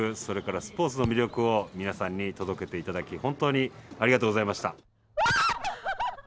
それからスポーツの魅力を皆さんに届けていただき、本当にありがとうございました。